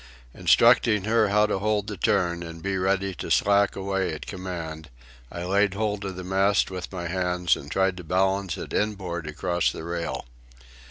Instructing her how to hold the turn and be ready to slack away at command, I laid hold of the mast with my hands and tried to balance it inboard across the rail.